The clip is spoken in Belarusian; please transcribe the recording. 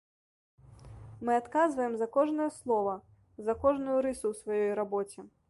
Мы адказваем за кожнае слова, за кожную рысу ў сваёй рабоце.